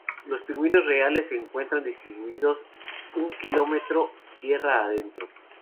Los pingüinos Reales se encuentran distribuidos un kilómetro tierra adentro.